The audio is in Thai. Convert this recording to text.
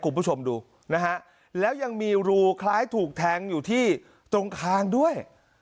คุณผู้ชมดูนะฮะแล้วยังมีรูคล้ายถูกแทงอยู่ที่ตรงคางด้วย